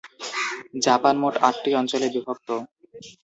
Japan মোট আটটি অঞ্চলে বিভক্ত।